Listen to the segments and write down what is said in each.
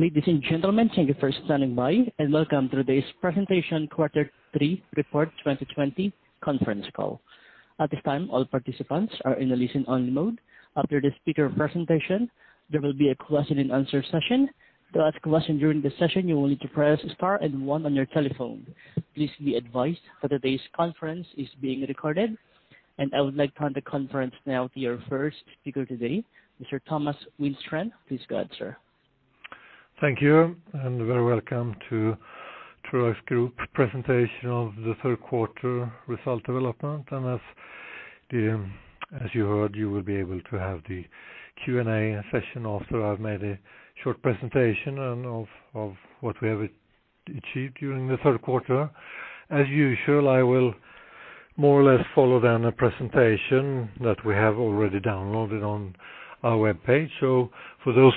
Ladies and gentlemen, thank you for standing by and welcome to today's presentation, quarter three report 2020 conference call. At this time all participants are in a listen-only mode. After a speaker's presentation, there will be a question and answer session. To ask a question during the session, you will need to press star and then one on your telephone. Please be advised that today's conference is being recorded. I Would like to hand the conference now to your first speaker today, Mr. Thomas Widstrand. Please go ahead, sir. Thank you, very welcome to Troax Group presentation of the third quarter result development. As you heard, you will be able to have the Q&A session after I've made a short presentation of what we have achieved during the third quarter. As usual, I will more or less follow the presentation that we have already downloaded on our webpage. For those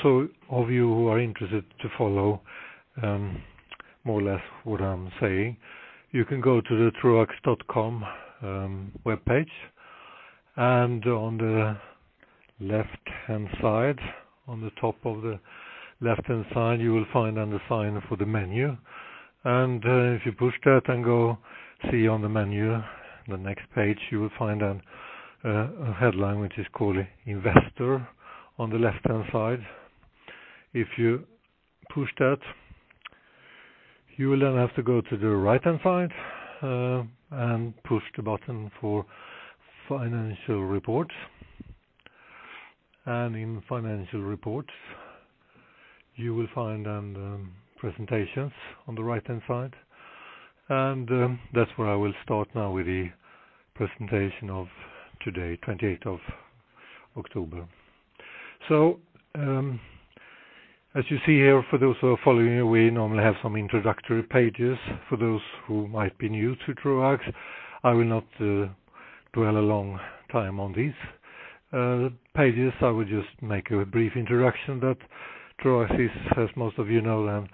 of you who are interested to follow more or less what I'm saying, you can go to the troax.com webpage. On the top of the left-hand side, you will find a sign for the menu, if you push that and go see on the menu, the next page you will find a headline which is called Investor on the left-hand side. If you push that, you will then have to go to the right-hand side and push the button for Financial Reports. In Financial Reports, you will find presentations on the right-hand side. That's where I will start now with the presentation of today, 28th October. As you see here, for those who are following, we normally have some introductory pages, for those who might be new to Troax, I will not dwell a long time on these pages, I will just make a brief introduction that Troax is. As most of you know,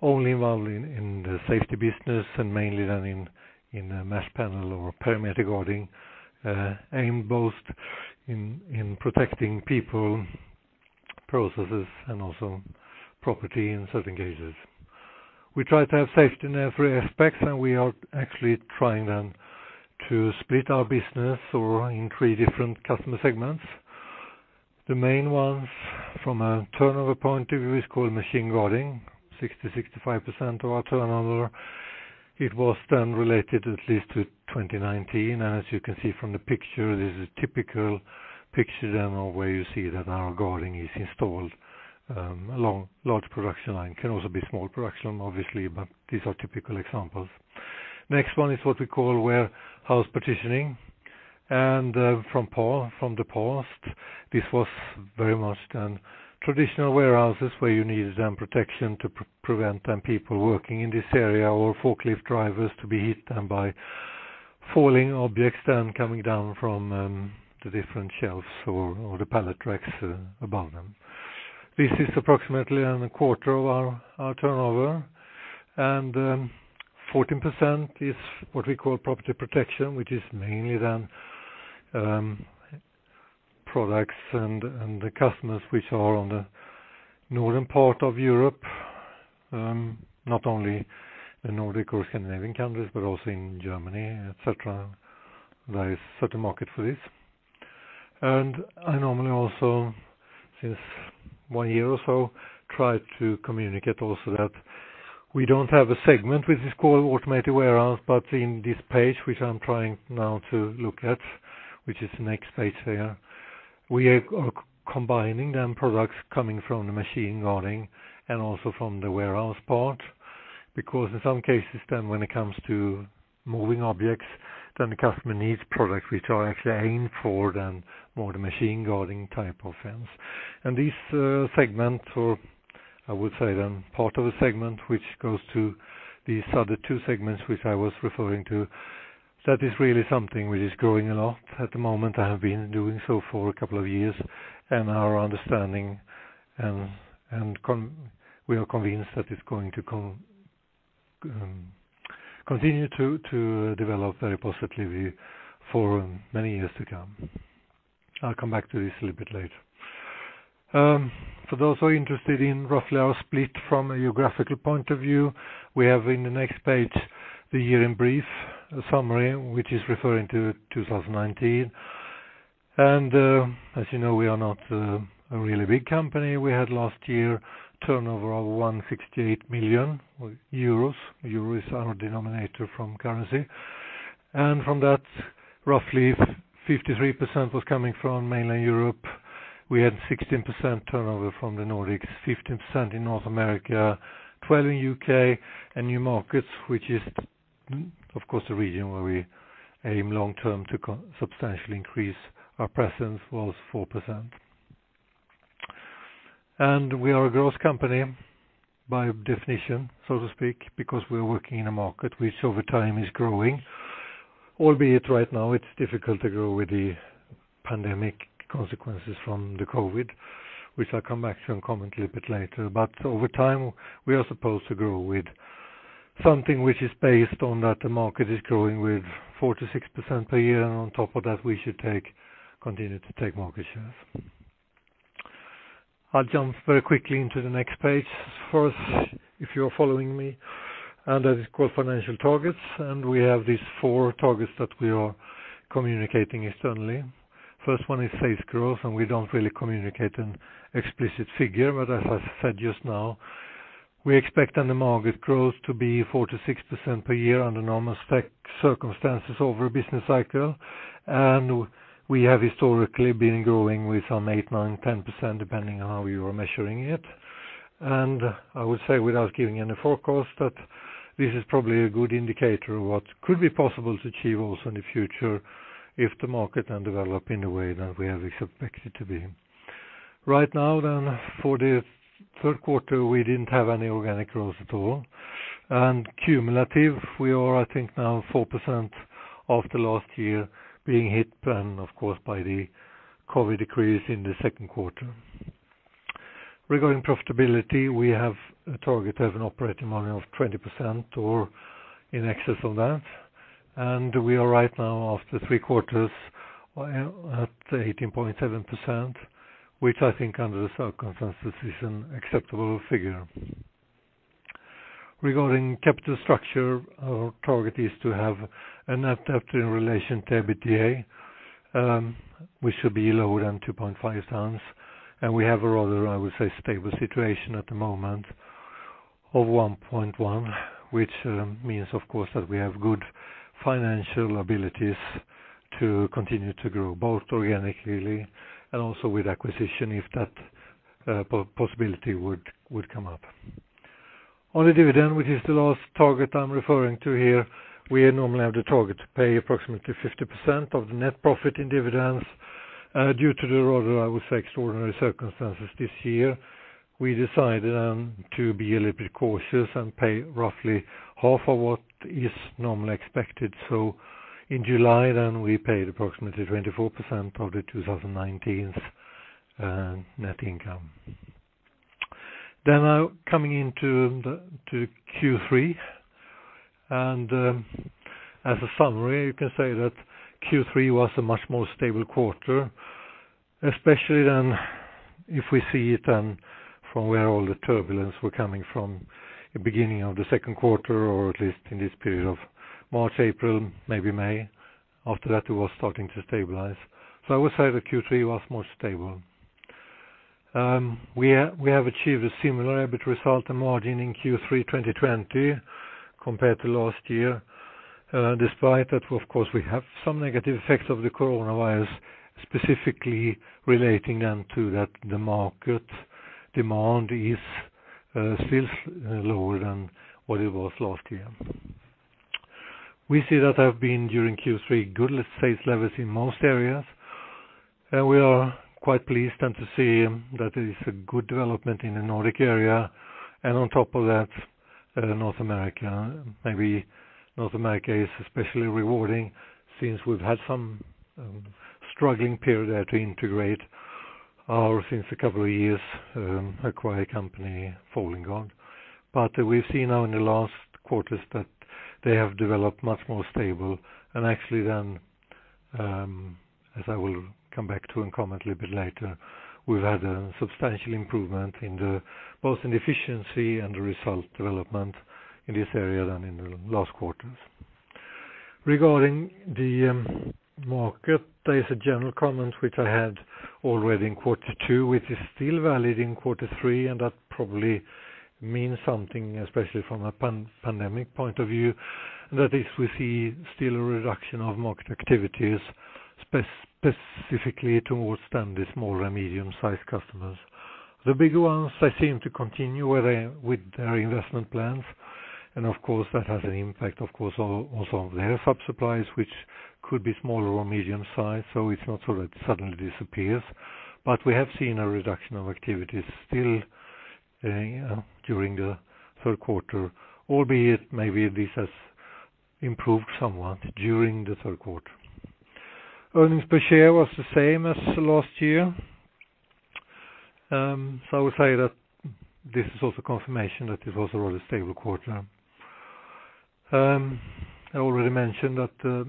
only involved in the safety business and mainly in mesh panel or perimeter guarding, aimed both in protecting people, processes, and also property in certain cases. We try to have safety in every aspect, we are actually trying then to split our business in three different customer segments. The main ones from a turnover point of view is called Machine Guarding, 60%-65% of our turnover. It was then related at least to 2019. As you can see from the picture, this is a typical picture then of where you see that our guarding is installed. A large production line, can also be small production, obviously, but these are typical examples. Next one is what we call Warehouse Partitioning. From the past, this was very much traditional warehouses where you needed protection to prevent people working in this area or forklift drivers to be hit by falling objects, coming down from the different shelves or the pallet racks above them. This is approximately a quarter of our turnover, and 14% is what we call Property Protection, which is mainly then products and the customers which are on the northern part of Europe. Not only the Nordic or Scandinavian countries, but also in Germany, et cetera. There is a certain market for this. I normally also, since one year or so, try to communicate also that we don't have a segment which is called automated warehouse, but in this page, which I'm trying now to look at, which is the next page here. We are combining them products coming from the Machine Guarding and also from the warehouse part. In some cases then when it comes to moving objects, then the customer needs products which are actually aimed for then more the machine guarding type of fence. This segment, or I would say then part of a segment, which goes to these other two segments which I was referring to, that is really something which is growing a lot at the moment and have been doing so for a couple of years. Our understanding, and we are convinced that it's going to continue to develop very positively for many years to come. I'll come back to this a little bit later. For those who are interested in roughly our split from a geographical point of view, we have in the next page the year in brief summary, which is referring to 2019. As you know, we are not a really big company. We had last year turnover of 168 million euros. Euro is our denominator from currency. From that, roughly 53% was coming from mainland Europe, we had 16% turnover from the Nordics, 15% in North America, 20% in U.K. New markets, which is of course, the region where we aim long-term to substantially increase our presence was 4%. We are a growth company by definition, so to speak, because we're working in a market which over time is growing. All be it right now, it's difficult to grow with the pandemic consequences from the COVID, which I'll come back to and comment a little bit later. Over time, we are supposed to grow with something which is based on that the market is growing with 4%-6% per year, and on top of that, we should continue to take market shares. I'll jump very quickly into the next page first, if you are following me, and that is called Financial Targets. We have these four targets that we are communicating externally. First one is sales growth. We don't really communicate an explicit figure, but as I said just now, we expect the market growth to be 4%-6% per year under normal circumstances over a business cycle. We have historically been growing with some 8%, 9%, 10%, depending on how you are measuring it. I would say, without giving any forecast, that this is probably a good indicator of what could be possible to achieve also in the future if the market then develop in the way that we have expected it to be. Right now then, for the third quarter, we didn't have any organic growth at all. Cumulative, we are, I think now 4% of the last year being hit then, of course, by the COVID decrease in the second quarter. Regarding profitability, we have a target to have an operating margin of 20% or in excess of that, and we are right now, after three quarters at 18.7%, which I think under the circumstances is an acceptable figure. Regarding capital structure, our target is to have a net debt in relation to EBITDA, which should be lower than 2.5x, and we have a rather, I would say, stable situation at the moment of 1.1x, which means, of course, that we have good financial abilities to continue to grow, both organically and also with acquisition, if that possibility would come up. On the dividend, which is the last target I'm referring to here, we normally have the target to pay approximately 50% of the net profit in dividends. Due to the rather, I would say, extraordinary circumstances this year, we decided to be a little bit cautious and pay roughly half of what is normally expected. In July then we paid approximately 24% of the 2019's net income. Now coming into Q3, as a summary, you can say that Q3 was a much more stable quarter, especially then if we see it from where all the turbulence were coming from the beginning of the second quarter, or at least in this period of March, April, maybe May, after that, it was starting to stabilize. I would say that Q3 was more stable. We have achieved a similar EBIT result and margin in Q3 2020 compared to last year. Despite that, of course, we have some negative effects of the coronavirus, specifically relating then to that the market demand is still lower than what it was last year. We see that have been during Q3, good sales levels in most areas, and we are quite pleased to see that it is a good development in the Nordic area and on top of that North America. Maybe North America is especially rewarding since we've had some struggling period there to integrate our, since a couple of years acquired company, Folding Guard. We've seen now in the last quarters that they have developed much more stable, and actually then, as I will come back to and comment a little bit later, we've had a substantial improvement both in the efficiency and the result development in this area than in the last quarters. Regarding the market, there is a general comment which I had already in quarter two, which is still valid in quarter three, that probably means something, especially from a pandemic point of view, that is we see still a reduction of market activities, specifically towards then the small- and medium-sized customers. The bigger ones they seem to continue with their investment plans. Of course that has an impact, of course, also on their sub-suppliers, which could be small or medium-sized. It's not so that it suddenly disappears, but we have seen a reduction of activities still during the third quarter, [all be it], maybe this has improved somewhat during the third quarter. Earnings per share was the same as last year, I would say that this is also confirmation that it was a rather stable quarter. I already mentioned that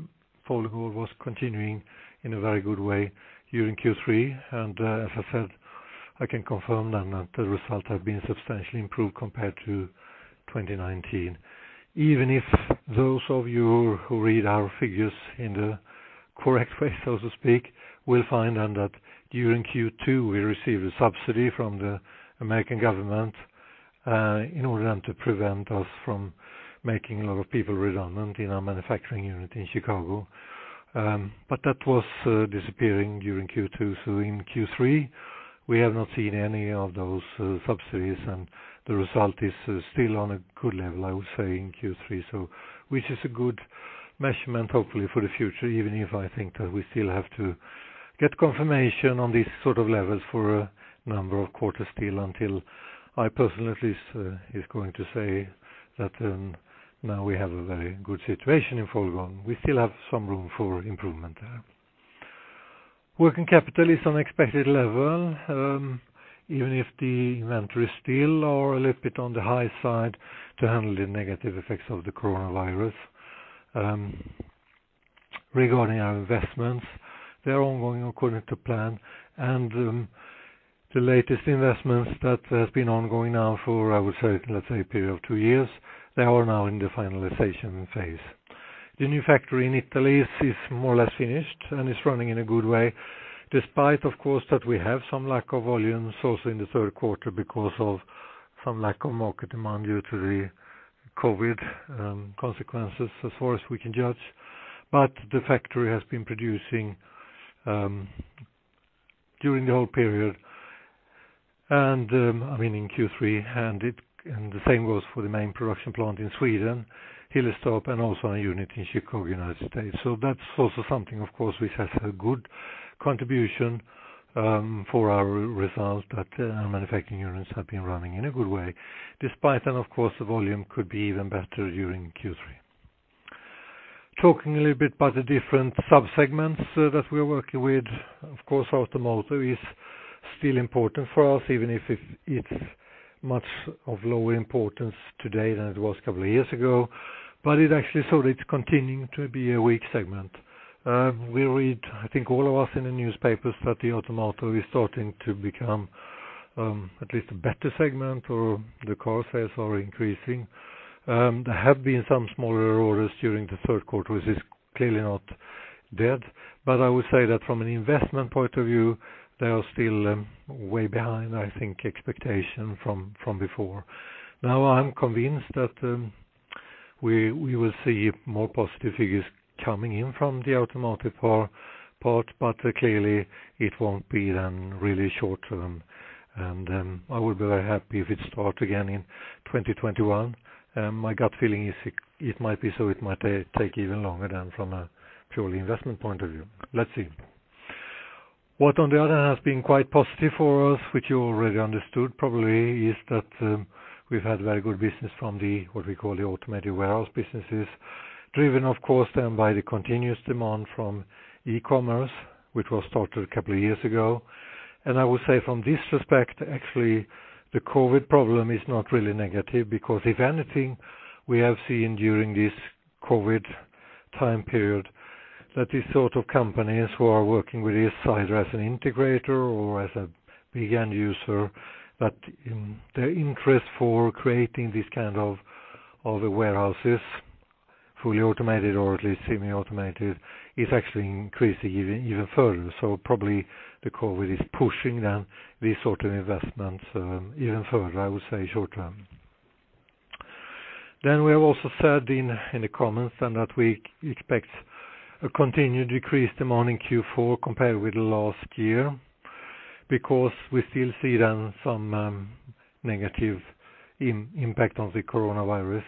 Folding Guard was continuing in a very good way during Q3, and as I said, I can confirm then that the results have been substantially improved compared to 2019. Even if those of you who read our figures in the correct way, so to speak, will find then that during Q2 we received a subsidy from the American government in order then to prevent us from making a lot of people redundant in our manufacturing unit in Chicago. That was disappearing during Q2. In Q3, we have not seen any of those subsidies. The result is still on a good level, I would say, in Q3. Which is a good measurement, hopefully for the future, even if I think that we still have to get confirmation on these sort of levels for a number of quarters still until I personally, at least, is going to say that now we have a very good situation in Folding Guard. We still have some room for improvement there. Working capital is on expected level, even if the inventory is still a little bit on the high side to handle the negative effects of the coronavirus. Regarding our investments, they are ongoing according to plan, and the latest investments that has been ongoing now for, let's say a period of two years, they are now in the finalization phase. The new factory in Italy is more or less finished and is running in a good way despite, of course, that we have some lack of volumes also in the third quarter because of some lack of market demand due to the COVID consequences, as far as we can judge. The factory has been producing during the whole period, I mean, in Q3, and the same goes for the main production plant in Sweden, Hillerstorp, and also our unit in Chicago, United States. That's also something, of course, which has a good contribution for our results, that our manufacturing units have been running in a good way despite then, of course, the volume could be even better during Q3. Talking a little bit about the different sub-segments that we're working with, of course, automotive is still important for us, even if it's much of lower importance today than it was a couple of years ago. It actually sort of continuing to be a weak segment. We read, I think all of us in the newspapers, that the automotive is starting to become at least a better segment or the car sales are increasing. There have been some smaller orders during the third quarter, which is clearly not dead. I would say that from an investment point of view, they are still way behind, I think, expectation from before. Now, I'm convinced that we will see more positive figures coming in from the automotive part, but clearly it won't be then really short term. I would be very happy if it start again in 2021. My gut feeling is it might be so it might take even longer than from a purely investment point of view. Let's see. What on the other has been quite positive for us, which you already understood probably, is that we've had very good business from the, what we call the automated warehouse businesses, driven, of course then, by the continuous demand from e-commerce, which was started a couple of years ago. I would say from this respect, actually, the COVID problem is not really negative because if anything, we have seen during this COVID time period that these sort of companies who are working with this, either as an integrator or as a big end user, that their interest for creating these kind of the warehouses, fully automated or at least semi-automated, is actually increasing even further. Probably the COVID is pushing then these sort of investments even further, I would say short term. We have also said in the comments then that we expect a continued decrease demand in Q4 compared with last year, because we still see then some negative impact of the coronavirus.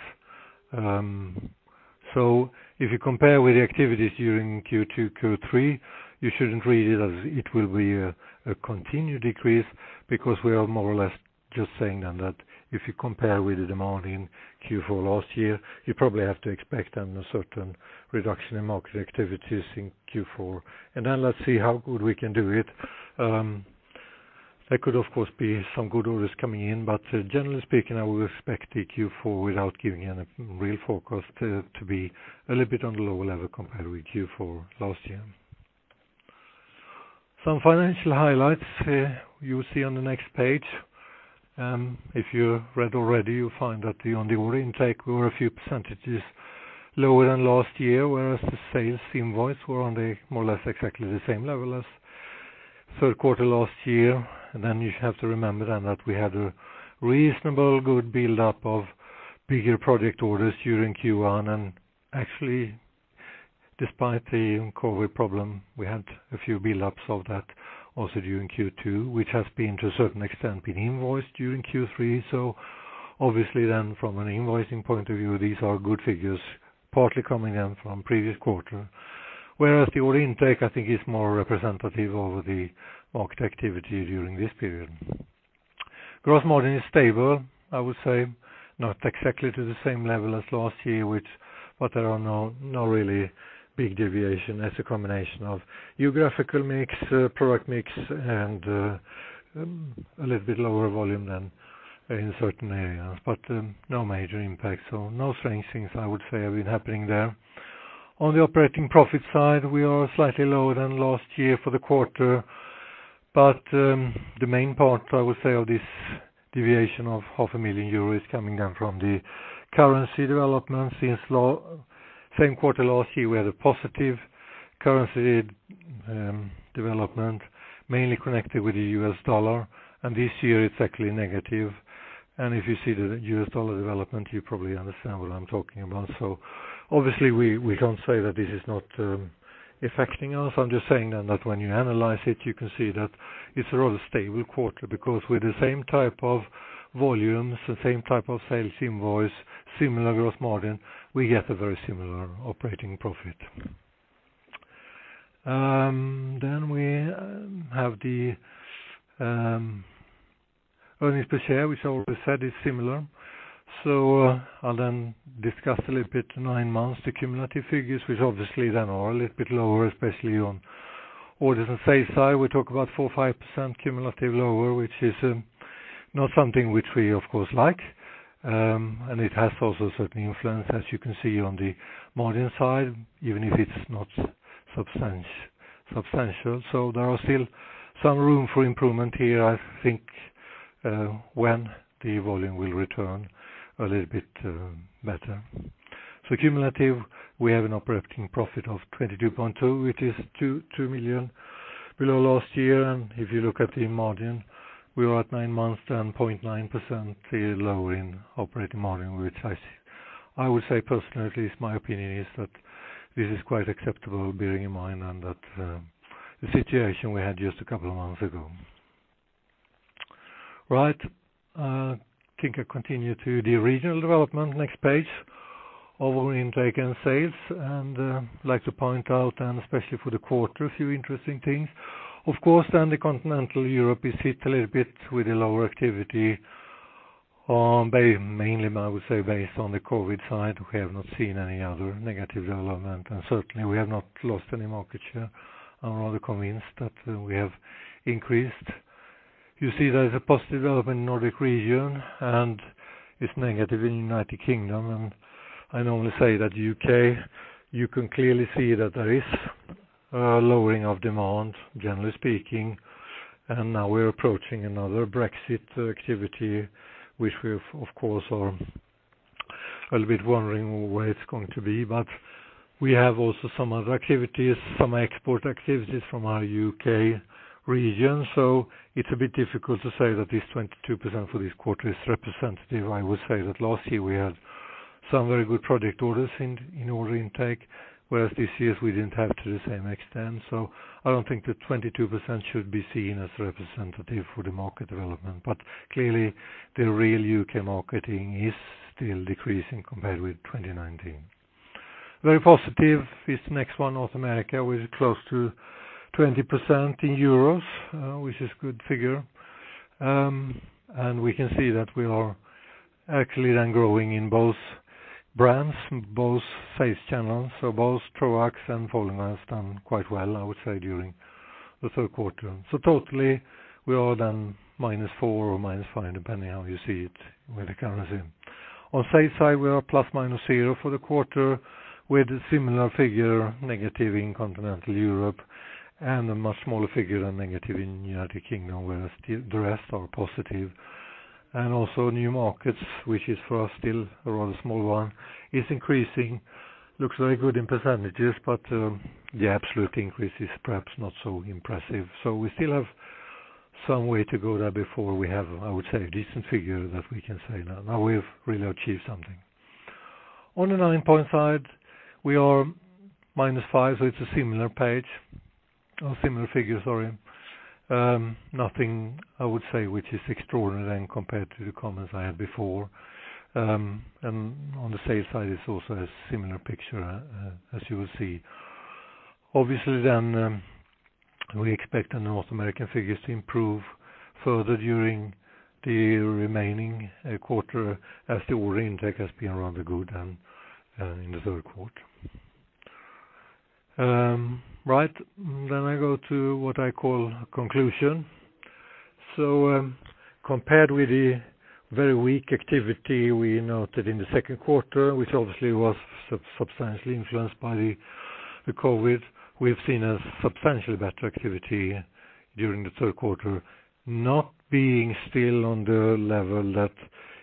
If you compare with the activities during Q2, Q3, you shouldn't read it as it will be a continued decrease because we are more or less just saying then that if you compare with the demand in Q4 last year, you probably have to expect then a certain reduction in market activities in Q4. Let's see how good we can do it. There could, of course, be some good orders coming in. Generally speaking, I would expect the Q4 without giving any real forecast to be a little bit on the lower level compared with Q4 last year. Some financial highlights you will see on the next page. If you read already, you will find that on the order intake, we were a few percentages lower than last year, whereas the sales invoice were on the more or less exactly the same level as third quarter last year. You have to remember then that we had a reasonably good build-up of bigger project orders during Q1, and actually, despite the COVID problem, we had a few build-ups of that also during Q2, which has been to a certain extent been invoiced during Q3. Obviously from an invoicing point of view, these are good figures, partly coming in from previous quarter. The order intake, I think, is more representative of the market activity during this period. Gross margin is stable, I would say, not exactly to the same level as last year. There are no really big deviation as a combination of geographical mix, product mix, and a little bit lower volume than in certain areas. No major impact, no strange things I would say have been happening there. On the operating profit side, we are slightly lower than last year for the quarter. The main part, I would say, of this deviation of 500 euros, 000 coming down from the currency development since same quarter last year, we had a positive currency development mainly connected with the US dollar. This year it's actually negative. If you see the US dollar development, you probably understand what I'm talking about. Obviously we can't say that this is not affecting us. I'm just saying then that when you analyze it, you can see that it's a rather stable quarter because with the same type of volumes, the same type of sales invoice, similar gross margin, we get a very similar operating profit. Then we have the earnings per share, which I already said, is similar. I'll then discuss a little bit nine months, the cumulative figures, which obviously then are a little bit lower, especially on orders and sales side. We talk about 4%, 5% cumulative lower, which is not something which we of course like. It has also a certain influence, as you can see on the margin side, even if it's not substantial. There are still some room for improvement here, I think, when the volume will return a little bit better. Cumulative, we have an operating profit of 22.2%, which is 2 million below last year. If you look at the margin, we are at nine months, down 0.9% lower in operating margin, which I would say personally, at least my opinion, is that this is quite acceptable bearing in mind and that the situation we had just a couple of months ago. Right. I think I continue to the regional development, next page, order intake and sales, and like to point out then, especially for the quarter, a few interesting things. Of course, then the continental Europe is hit a little bit with a lower activity, mainly I would say based on the COVID side. We have not seen any other negative development and certainly we have not lost any market share. I'm rather convinced that we have increased. You see there is a positive development in Nordic region and it's negative in United Kingdom. I normally say that U.K., you can clearly see that there is a lowering of demand, generally speaking. Now we're approaching another Brexit activity, which we, of course, are a little bit wondering where it's going to be. We have also some other activities, some export activities from our U.K. region. It's a bit difficult to say that this 22% for this quarter is representative. I would say that last year we had some very good project orders in order intake, whereas this year we didn't have to the same extent. I don't think the 22% should be seen as representative for the market development. Clearly the real U.K. marketing is still decreasing compared with 2019. Very positive is next one, North America, with close to 20% in euros, which is good figure. We can see that we are actually then growing in both brands, both sales channels. Both Troax and [Falmec has done quite well, I would say, during the third quarter. Totally we are then -4% or -5%, depending how you see it with the currency. On sales side, we are ±0 for the quarter with a similar figure, negative in continental Europe, and a much smaller figure than negative in United Kingdom, whereas the rest are positive. Also new markets, which is for us still a rather small one, is increasing. Looks very good in percentages, but the absolute increase is perhaps not so impressive. We still have some way to go there before we have, I would say, a decent figure that we can say, "Now we've really achieved something." On the financial point side, we are -5%, so it's a similar page, or similar figure, sorry. Nothing, I would say, which is extraordinary compared to the comments I had before. On the sales side, it's also a similar picture as you will see. Obviously, we expect the North American figures to improve further during the remaining quarter as the order intake has been rather good in the third quarter. Right. I go to what I call conclusion. Compared with the very weak activity we noted in the second quarter, which obviously was substantially influenced by the COVID, we have seen a substantially better activity during the third quarter, not being still on the level that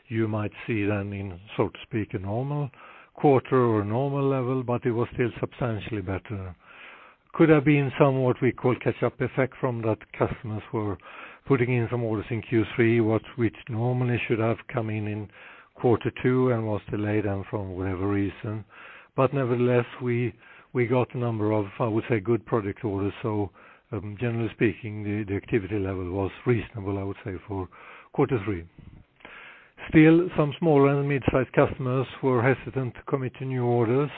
you might see then in, so to speak, a normal quarter or a normal level, but it was still substantially better. Could have been somewhat we call catch-up effect from that customers were putting in some orders in Q3, which normally should have come in in quarter two and was delayed then for whatever reason. Nevertheless, we got a number of, I would say, good project orders. Generally speaking, the activity level was reasonable, I would say, for quarter three. Still, some small and midsize customers were hesitant to commit to new orders.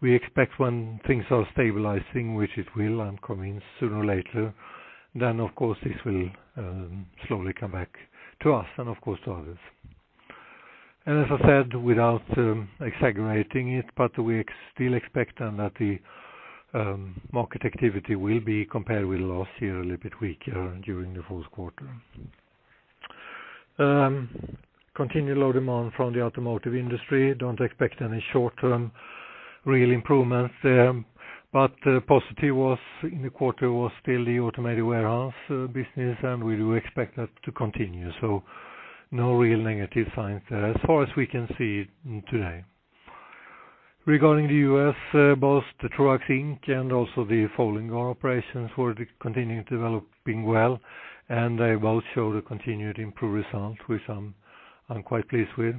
We expect when things are stabilizing, which it will, I'm convinced sooner or later, of course, this will slowly come back to us and of course to others. As I said, without exaggerating it, we still expect that the market activity will be compared with last year, a little bit weaker during the fourth quarter. Continued low demand from the automotive industry; don't expect any short-term real improvements there. Positive was in the quarter was still the automated warehouse business. We do expect that to continue. No real negative signs there as far as we can see today. Regarding the U.S., both the Troax Inc. and also the Folding Guard operations were continuing developing well. They both show the continued improved results, which I'm quite pleased with.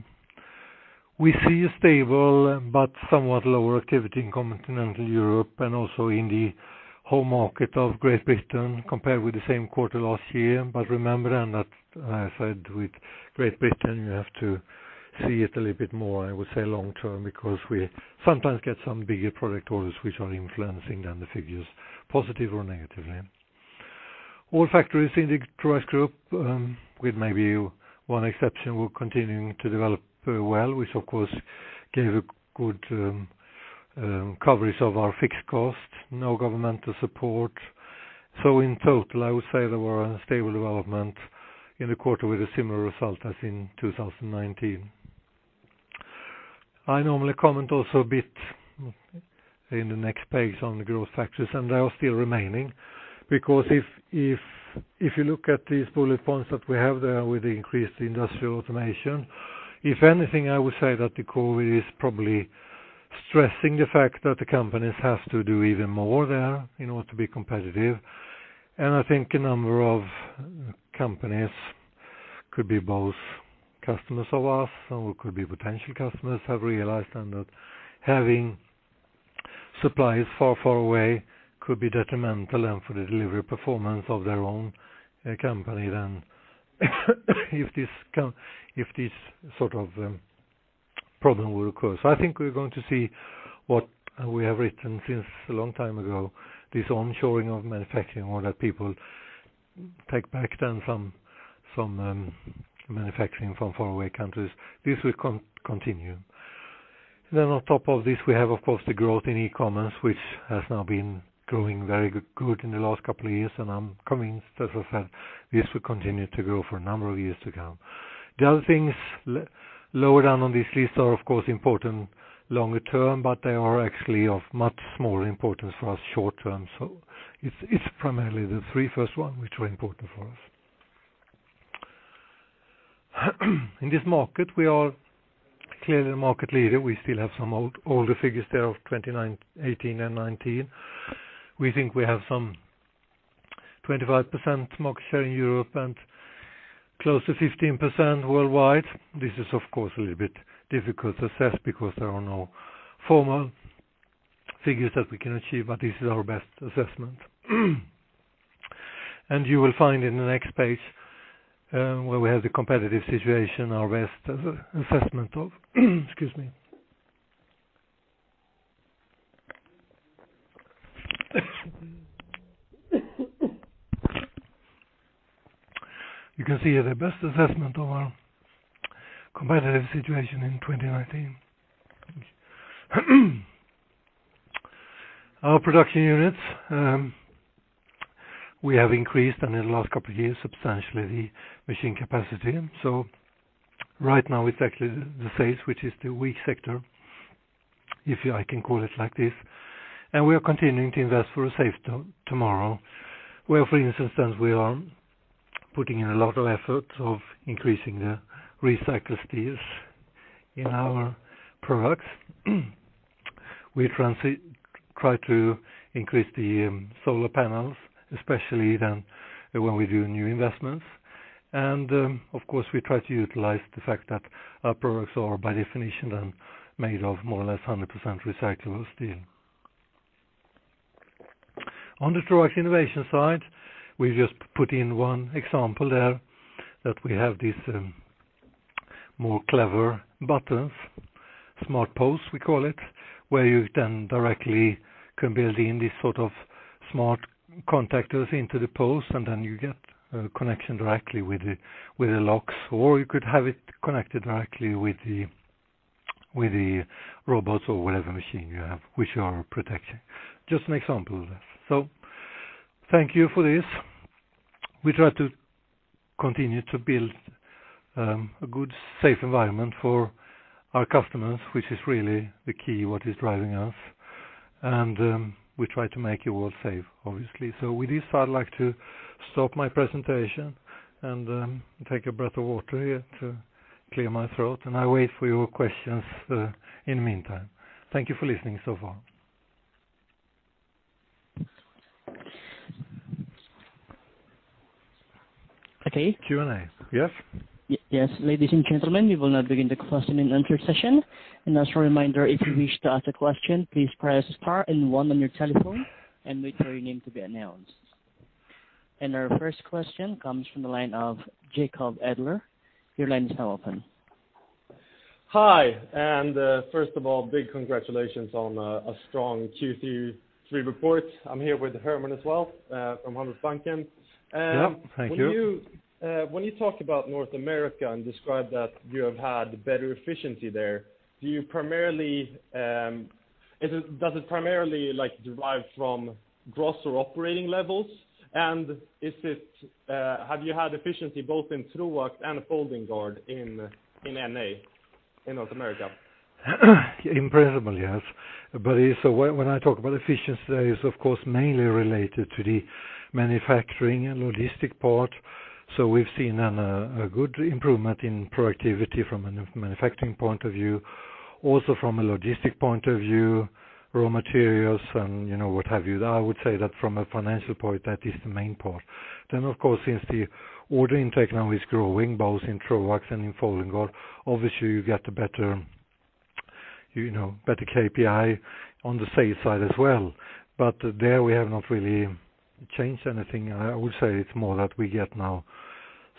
We see a stable but somewhat lower activity in continental Europe and also in the home market of the Great Britain compared with the same quarter last year. Remember then that I said with the Great Britain you have to see it a little bit more, I would say long-term, because we sometimes get some bigger product orders which are influencing then the figures, positive or negatively. All factories in the Troax Group, with maybe one exception, were continuing to develop very well, which of course gave a good coverage of our fixed cost, no governmental support. In total, I would say there were a stable development in the quarter with a similar result as in 2019. I normally comment also a bit in the next page on the growth factors. They are still remaining. If you look at these bullet points that we have there with the increased industrial automation. If anything, I would say that the COVID is probably stressing the fact that the companies have to do even more there in order to be competitive. I think a number of companies, could be both customers of us or could be potential customers, have realized that having suppliers far away could be detrimental for the delivery performance of their own company than if this sort of problem will occur. I think we're going to see what we have written since a long time ago, this onshoring of manufacturing, or that people take back then some manufacturing from faraway countries. This will continue. On top of this, we have, of course the growth in e-commerce, which has now been growing very good in the last couple of years, and I'm convinced that this will continue to grow for a number of years to come. The other things lower down on this list are, of course, important longer term, but they are actually of much smaller importance for us short-term. It's primarily the three first one which are important for us. In this market, we are clearly a market leader, we still have some older figures there of 2018 and 2019. We think we have some 25% market share in Europe and close to 15% worldwide. This is, of course, a little bit difficult to assess because there are no formal figures that we can achieve, but this is our best assessment. You will find in the next page, where we have the competitive situation. You can see the best assessment of our competitive situation in 2019. Our production units, we have increased in the last couple of years, substantially, the machine capacity. Right now it's actually the phase which is the weak sector, if I can call it like this. We are continuing to invest for a safe tomorrow, where, for instance, we are putting in a lot of effort of increasing the recycled steels in our products. We try to increase the solar panels, especially when we do new investments. Of course, we try to utilize the fact that our products are, by definition, made of more or less 100% recyclable steel. On the Troax innovation side, we just put in one example there that we have these more clever buttons, Smart Post, we call it, where you then directly can build in these sort of smart contactors into the post, and then you get a connection directly with the locks. Or you could have it connected directly with the robots or whatever machine you have which you are protecting. Just an example of that. Thank you for this. We try to continue to build a good, safe environment for our customers, which is really the key, what is driving us. We try to make your world safe, obviously. With this, I'd like to stop my presentation and take a breath of water here to clear my throat. I wait for your questions in the meantime. Thank you for listening so far. Okay. Q&A? Yes. Yes. Ladies and gentlemen, we will now begin the question and answer session. As a reminder, if you wish to ask a question, please press star and one on your telephone and wait for your name to be announced. Our first question comes from the line of Jacob Edler. Your line is now open. Hi, first of all, big congratulations on a strong Q3 report. I'm here with Herman as well from Handelsbanken. Yeah, thank you. When you talk about North America and describe that you have had better efficiency there, does it primarily derive from gross or operating levels? Have you had efficiency both in Troax and Folding Guard in NA, in North America? Impressively, yes. When I talk about efficiency, it's of course mainly related to the manufacturing and logistic part. We've seen a good improvement in productivity from a manufacturing point of view, also from a logistic point of view, raw materials and what have you. I would say that from a financial point, that is the main part. Of course, since the order intake now is growing both in Troax and in Folding Guard, obviously, you get a, you know, better KPI on the sales side as well. There we have not really changed anything. I would say it's more that we get now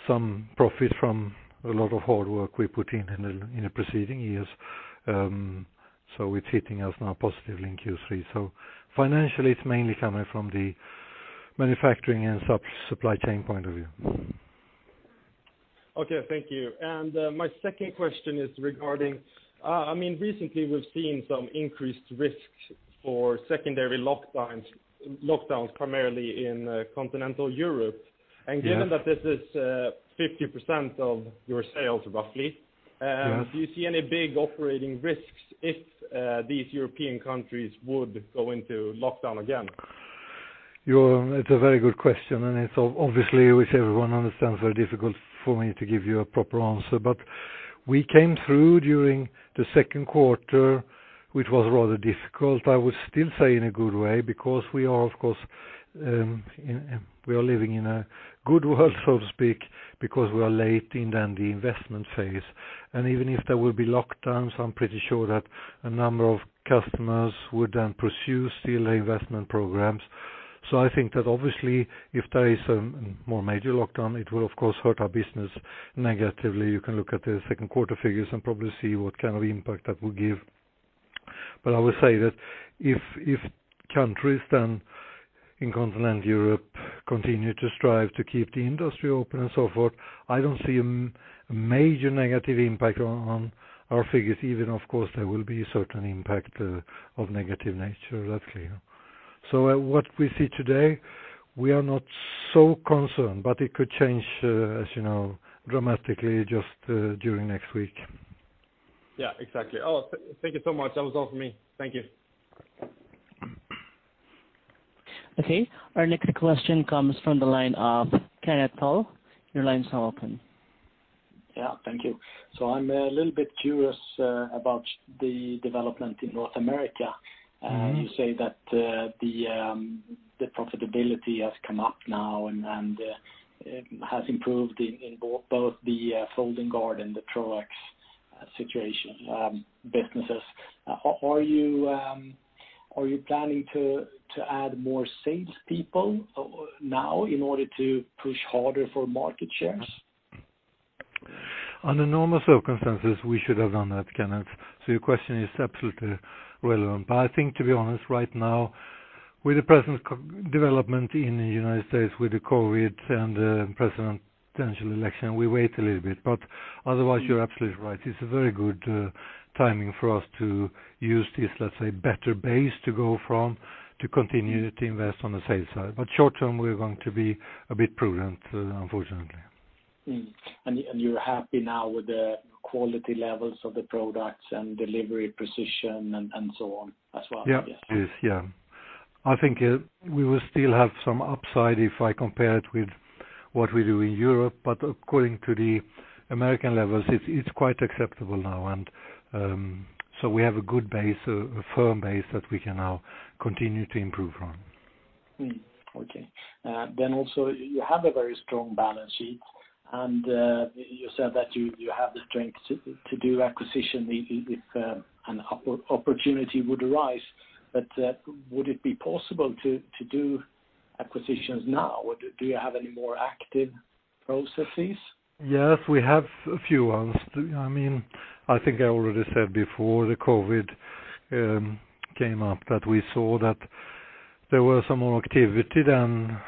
some profit from a lot of hard work we put in the preceding years. It's hitting us now positively in Q3. Financially, it's mainly coming from the manufacturing and supply chain point of view. Okay, thank you. My second question is regarding recently we've seen some increased risks for secondary lockdowns, primarily in continental Europe. Yes. Given that this is 50% of your sales, roughly. Yes Do you see any big operating risks if these European countries would go into lockdown again? It's a very good question, and obviously, which everyone understands, very difficult for me to give you a proper answer. We came through during the second quarter, which was rather difficult. I would still say in a good way, because we are living in a good world, so to speak, because we are late in the investment phase. Even if there will be lockdowns, I'm pretty sure that a number of customers would then pursue still investment programs. I think that obviously if there is a more major lockdown, it will of course hurt our business negatively. You can look at the second quarter figures and probably see what kind of impact that will give. I would say that if countries then in continental Europe continue to strive to keep the industry open and so forth, I don't see a major negative impact on our figures even. Of course, there will be a certain impact of negative nature. That's clear. What we see today, we are not so concerned, but it could change, as you know, dramatically just during next week. Yeah, exactly. Thank you so much, that was all for me. Thank you. Okay. Our next question comes from the line of Kenneth Toll. Yeah, thank you. I'm a little bit curious about the development in North America. You say that the profitability has come up now and has improved in both the Folding Guard and the Troax businesses. Are you planning to add more salespeople now in order to push harder for market shares? Under normal circumstances, we should have done that, Kenneth. Your question is absolutely relevant. I think to be honest, right now, with the present development in the United States with the COVID and presidential election, we wait a little bit. Otherwise, you're absolutely right. It's a very good timing for us to use this, let's say, better base to go from to continue to invest on the sales side. Short term, we're going to be a bit prudent, unfortunately. You're happy now with the quality levels of the products and delivery precision and so on as well? Yes, please. Yeah. I think we will still have some upside if I compare it with what we do in Europe, but according to the American levels, it's quite acceptable now. So we have a good base, a firm base that we can now continue to improve on. Okay. Also, you have a very strong balance sheet, you said that you have the strength to do acquisition if an opportunity would arise. Would it be possible to do acquisitions now? Do you have any more active processes? We have a few ones. I think I already said before the COVID came up that we saw that there was some more activity then,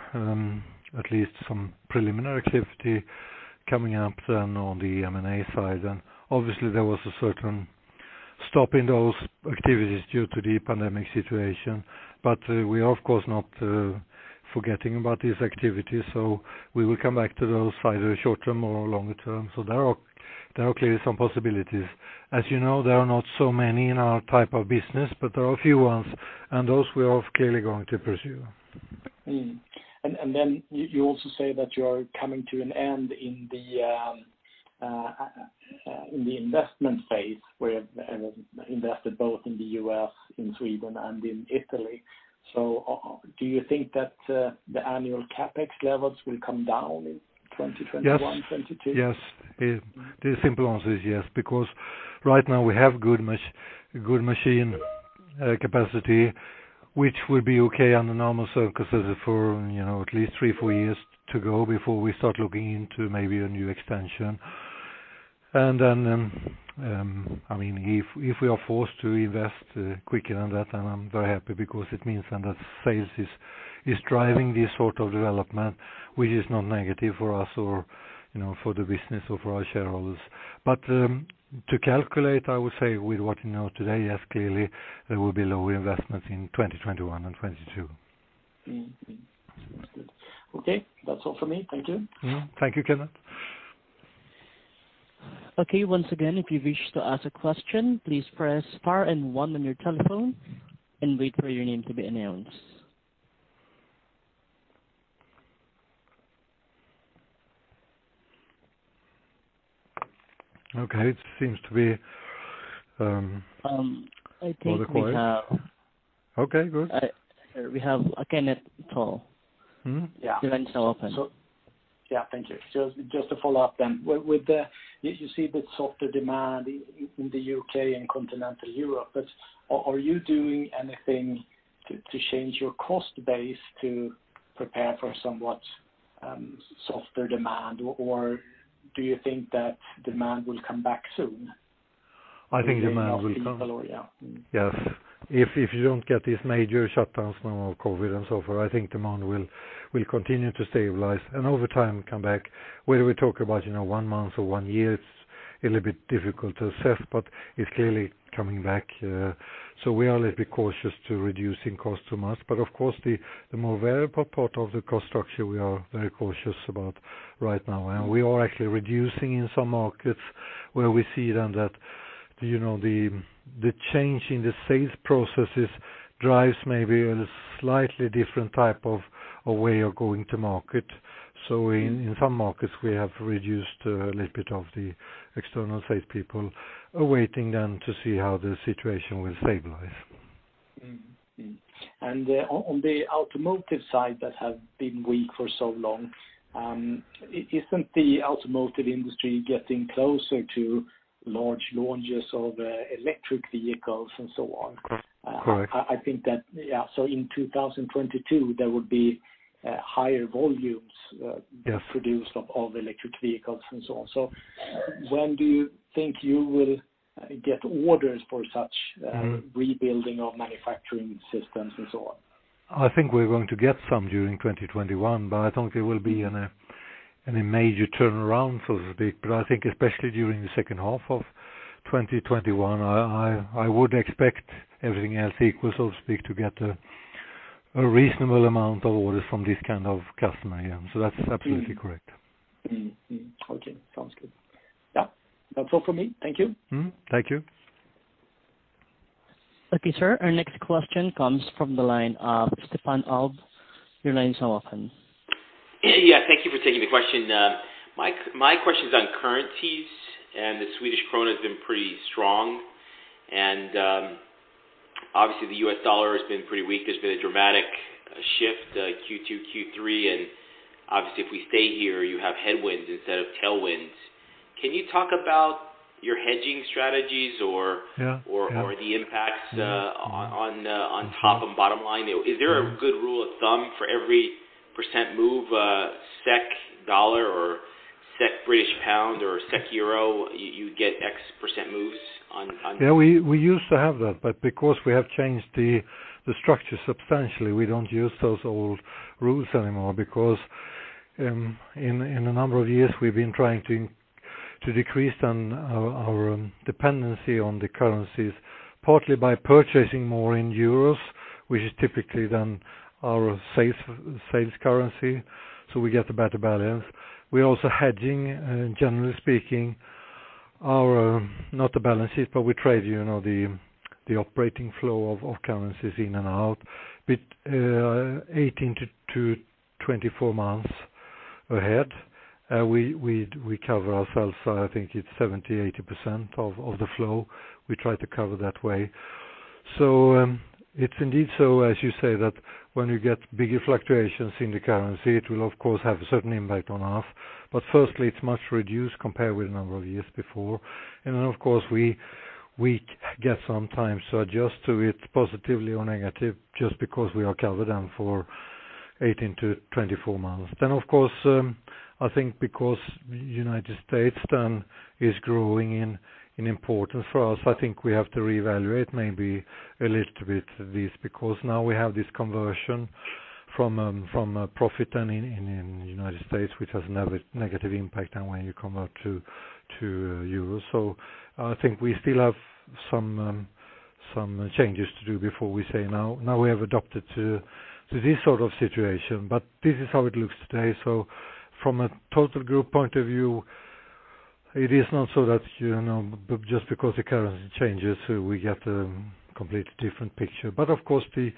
at least some preliminary activity coming up then on the M&A side. Obviously there was a certain stop in those activities due to the pandemic situation. We are, of course, not forgetting about these activities, so we will come back to those either short term or longer term. There are clearly some possibilities. As you know, there are not so many in our type of business, but there are a few ones, and those we are clearly going to pursue. You also say that you are coming to an end in the investment phase, where you have invested both in the U.S., in Sweden, and in Italy. Do you think that the annual CapEx levels will come down in 2021, 2022? Yes. The simple answer is yes, because right now we have good machine capacity, which will be okay under normal circumstances for at least three, four years to go before we start looking into maybe a new extension. If we are forced to invest quicker than that, then I'm very happy because it means then that sales is driving this sort of development, which is not negative for us or for the business or for our shareholders. To calculate, I would say with what you know today, yes, clearly there will be low investments in 2021 and 2022. Sounds good. Okay, that's all for me. Thank you. Thank you, Kenneth. Okay. Once again, if you wish to ask a question, please press star and one on your telephone and wait for your name to be announced. Okay. It seems to be I think we have Okay, good. We have Kenneth Toll. Yeah. Your line's now open. Yeah, thank you. Just to follow up. You see the softer demand in the U.K. and continental Europe, but are you doing anything to change your cost base to prepare for somewhat softer demand, or do you think that demand will come back soon? I think demand will come. Yeah. Yes. If you don't get these major shutdowns now of COVID and so forth, I think demand will continue to stabilize, and over time, come back, whether we talk about one month or one year, it's a little bit difficult to assess, but it's clearly coming back. We are a little bit cautious to reducing cost too much. Of course, the more variable part of the cost structure, we are very cautious about right now, and we are actually reducing in some markets where we see then that the change in the sales processes drives maybe a slightly different type of a way of going to market. In some markets, we have reduced a little bit of the external sales people, are waiting then to see how the situation will stabilize. On the automotive side that have been weak for so long, isn't the automotive industry getting closer to large launches of electric vehicles and so on? Correct. I think that, yeah, in 2022, there would be higher volumes... Yeah. ...produced of electric vehicles and so on. When do you think you will get orders for such rebuilding of manufacturing systems and so on? I think we're going to get some during 2021, but I don't think it will be any major turnaround, so to speak. I think especially during the second half of 2021, I would expect everything else equal, so to speak, to get a reasonable amount of orders from this kind of customer. That's absolutely correct. Okay, sounds good. Yeah, that's all from me. Thank you. Thank you. Okay, sir, our next question comes from the line of Stefan Alb, your line is open Yeah, thank you for taking the question. My question's on currencies, and the Swedish krona has been pretty strong. Obviously, the US dollar has been pretty weak. There's been a dramatic shift, Q2, Q3, and obviously, if we stay here, you have headwinds instead of tailwinds. Can you talk about your hedging strategies or... Yeah. ...the impacts on top and bottom line? Is there a good rule of thumb for every percent move, SEK dollar or SEK British pound or SEK euro, you get X percent moves? Yeah, we used to have that, but because we have changed the structure substantially, we don't use those old rules anymore because in a number of years, we've been trying to decrease then our dependency on the currencies, partly by purchasing more in euros, which is typically then our safe sales currency, so we get a better balance. We're also hedging, generally speaking, not the balances, but we trade the operating flow of currencies in and out, 18-24 months ahead, we cover ourselves. I think it's 70%, 80% of the flow we try to cover that way. It's indeed so, as you say, that when you get bigger fluctuations in the currency, it will of course have a certain impact on us. Firstly, it's much reduced compared with a number of years before. Of course, we get some time to adjust to it positively or negative just because we are covered then for 18-24 months. Of course, I think because United States then is growing in importance for us, I think we have to reevaluate maybe a little bit this because now we have this conversion from a profit then in United States, which has a negative impact on when you convert to euros. I think we still have some changes to do before we say, now we have adapted to this sort of situation. This is how it looks today. From a total group point of view, it is not so that just because the currency changes, we get a completely different picture. Of course, the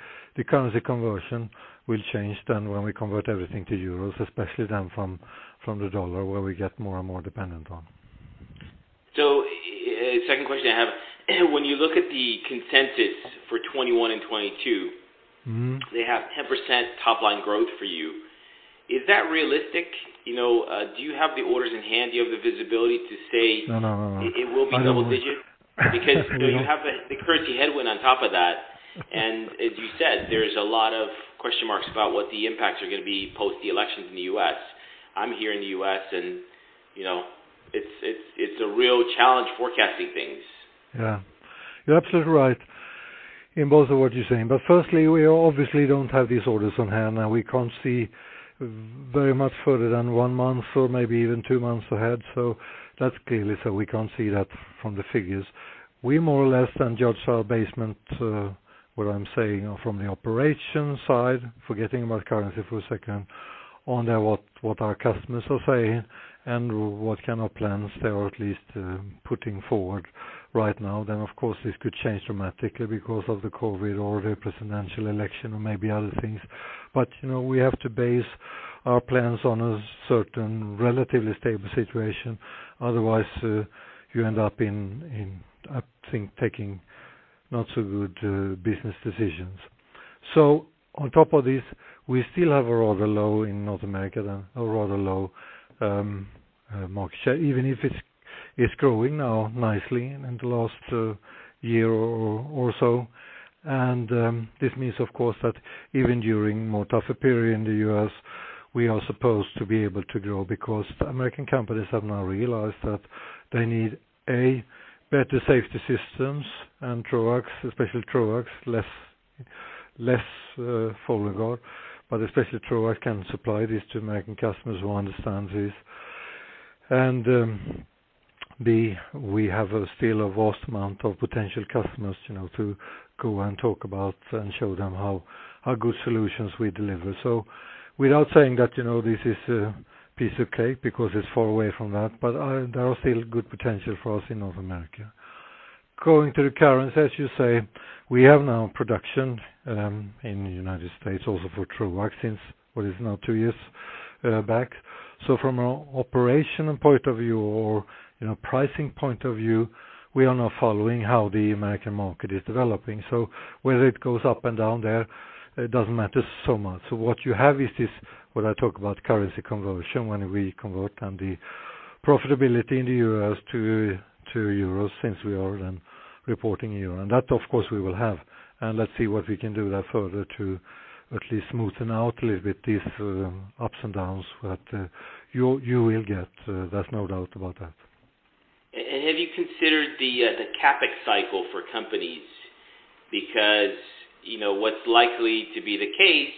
currency conversion will change then when we convert everything to euros, especially then from the dollar, where we get more and more dependent on. Second question I have. When you look at the consensus for 2021 and 2022, they have 10% top-line growth for you. Is that realistic? Do you have the orders in hand? Do you have the visibility to say... No. ...it will be double digit? Because you have the currency headwind on top of that, and as you said, there's a lot of question marks about what the impacts are going to be post the elections in the U.S. I'm here in the U.S., and it's a real challenge forecasting things. Yeah, you're absolutely right in both of what you're saying. Firstly, we obviously don't have these orders on hand, and we can't see very much further than one month or maybe even two months ahead. We can't see that from the figures. We more or less then judge our basis, what I'm saying, from the operation side, forgetting about currency for a second, on what our customers are saying and what kind of plans they are at least putting forward right now. Of course, this could change dramatically because of the COVID or the presidential election or maybe other things. We have to base our plans on a certain relatively stable situation. Otherwise, you end up in, I think taking not so good business decisions. On top of this, we still have a rather low in North America, a rather low market share, even if it's growing now nicely in the last year or so. This means, of course, that even during a more tougher period in the U.S., we are supposed to be able to grow because the American companies have now realized that they need; A, better safety systems and especially Troax, less Folding Guard, but especially Troax can supply this to American customers who understand this. B, we have still a vast amount of potential customers to go and talk about and show them how good solutions we deliver. Without saying that this is a piece of cake because it's far away from that, but there are still good potential for us in North America. Going to the currency, as you say, we have now production in the United States also for Troax since what is now two years back. From an operational point of view or pricing point of view, we are now following how the American market is developing. Whether it goes up and down there, it doesn't matter so much. What you have is this, what I talk about currency conversion when we convert and the profitability in the US dollars to euros since we are then reporting euro. That of course we will have and let's see what we can do there further to at least smoothen out a little bit these ups and downs that you will get. There's no doubt about that. Have you considered the CapEx cycle for companies? What's likely to be the case,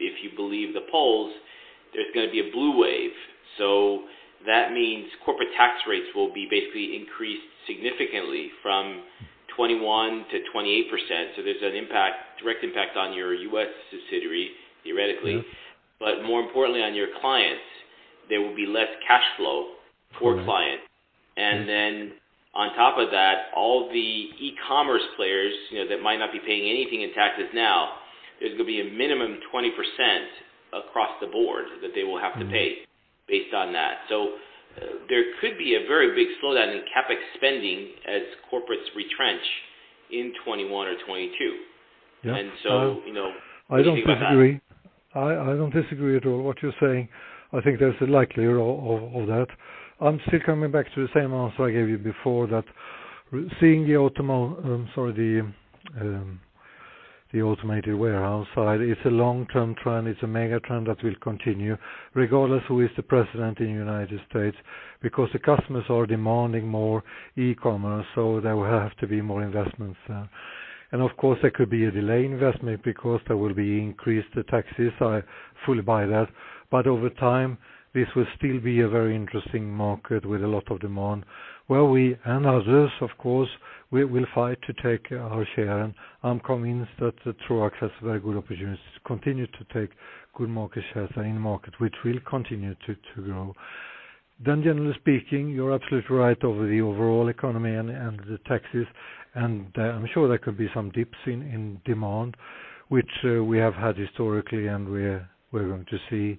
if you believe the polls, there's going to be a blue wave. That means corporate tax rates will be basically increased significantly from 21%-28%. There's a direct impact on your U.S. subsidiary, theoretically. More importantly on your clients, there will be less cash flow for clients. On top of that, all the e-commerce players, that might not be paying anything in taxes now, there's going to be a minimum 20% across the board that they will have to pay based on that. There could be a very big slowdown in CapEx spending as corporates retrench in 2021 or 2022. Yeah. What do you think about that? I don't disagree at all what you're saying. I think there's a likelihood of that. I'm still coming back to the same answer I gave you before that seeing the automated warehouse side, it's a long-term trend. It's a mega trend that will continue regardless who is the president in the United States because the customers are demanding more e-commerce, so there will have to be more investments there. Of course, there could be a delay investment because there will be increased taxes. I fully buy that. Over time, this will still be a very interesting market with a lot of demand where we, and others of course, we will fight to take our share, and I'm convinced that the Troax has very good opportunities to continue to take good market shares in the market, which will continue to grow. Generally speaking, you're absolutely right over the overall economy and the taxes, and I'm sure there could be some dips in demand, which we have had historically and we're going to see in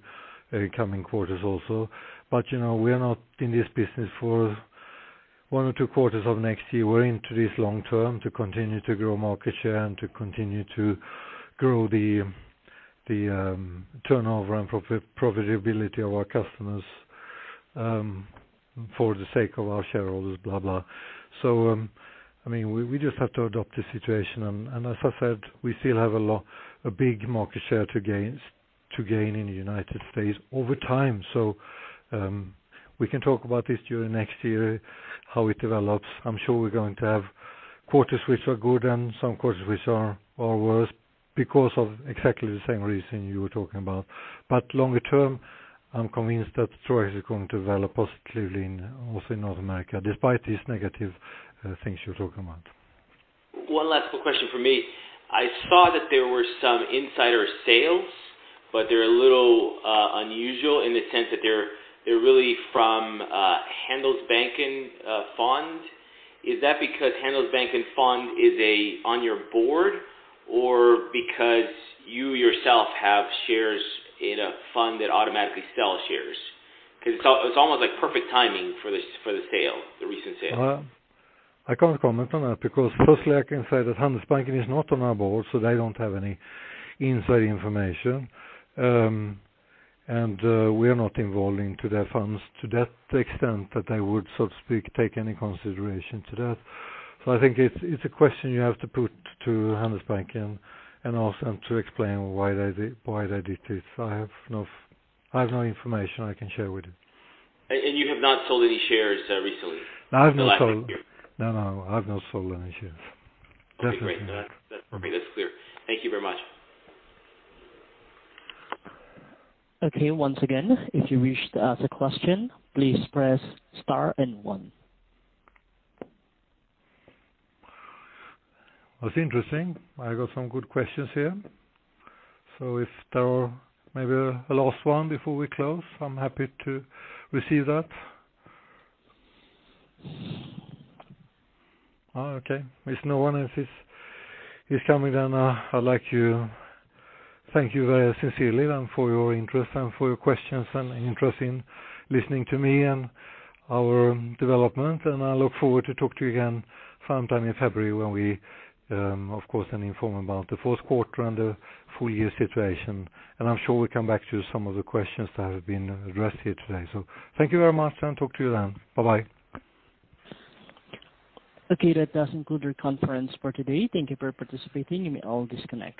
coming quarters also. We are not in this business for one or two quarters of next year. We're into this long-term to continue to grow market share and to continue to grow the turnover and profitability of our customers, for the sake of our shareholders, blah. We just have to adopt the situation and as I said, we still have a big market share to gain in the United States over time. We can talk about this during next year, how it develops. I'm sure we're going to have quarters which are good and some quarters which are worse because of exactly the same reason you were talking about. Longer term, I'm convinced that Troax is going to develop positively also in North America, despite these negative things you're talking about. One last quick question from me. I saw that there were some insider sales, but they're a little unusual in the sense that they're really from Handelsbanken Fonder. Is that because Handelsbanken Fonder is on your board or because you yourself have shares in a fund that automatically sells shares? It's almost like perfect timing for the recent sale. I can't comment on that because firstly, I can say that Handelsbanken is not on our board, so they don't have any inside information. We are not involved into their funds to that extent that I would so to speak, take any consideration to that. I think it's a question you have to put to Handelsbanken and ask them to explain why they did this. I have no information I can share with you. You have not sold any shares recently... No, I have not sold. ...or last year? No, I've not sold any shares. Okay, great. That's clear, thank you very much. Okay, once again, if you wish to ask a question, please press star and one. That's interesting. I got some good questions here. If there may be a last one before we close, I'm happy to receive that. Oh, okay. If no one else is coming, I'd like to thank you very sincerely and for your interest and for your questions and interest in listening to me and our development. I look forward to talk to you again sometime in February when we of course, then inform about the fourth quarter and the full year situation. I'm sure we'll come back to some of the questions that have been addressed here today. Thank you very much and talk to you then. Bye-bye. Okay, that does conclude our conference for today, thank you for participating. You may all disconnect.